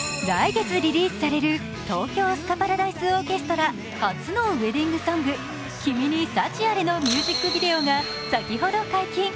来月リリースされる東京スカパラダイスオーケストラ初のウエディングソング、「君にサチアレ」のミュージックビデオが先ほど解禁。